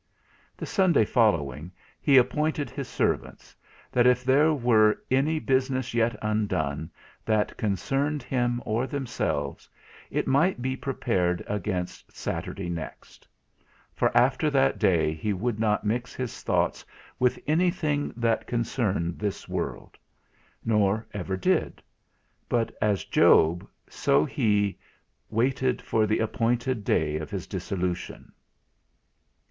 The Sunday following, he appointed his servants, that if there were any business yet undone, that concerned him or themselves, it should be prepared against Saturday next; for after that day he would not mix his thoughts with any thing that concerned this world; nor ever did; but, as Job, so he "waited for the appointed day of his dissolution."